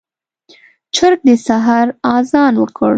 چرګ د سحر اذان وکړ.